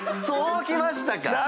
そうきましたか！